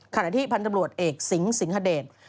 ขณะที่พันธบรวจเอกสิงสิงหเดช